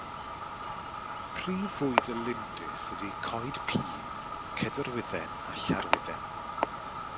Prif fwyd y lindys ydy coed pîn, cedrwydden a llarwydden.